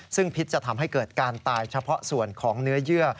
ซึ่งพิษจะทำให้เกิดการตายเฉพาะส่วนของเนื้อเยื่อ